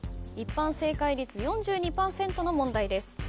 一般正解率４２％の問題です。